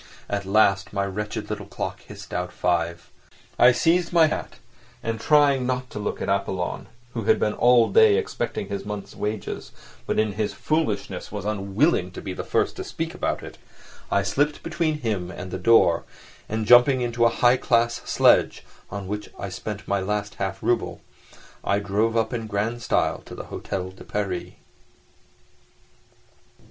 At last my wretched little clock hissed out five. I seized my hat and, trying not to look at Apollon, who had been all day expecting his month's wages, but in his foolishness was unwilling to be the first to speak about it, I slipped between him and the door and, jumping into a high class sledge, on which I spent my last half rouble, I drove up in grand style to the Hôtel de Paris.